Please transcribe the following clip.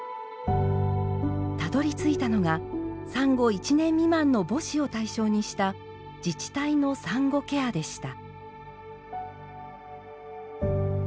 たどりついたのが産後１年未満の母子を対象にした自治体の産後ケアでした。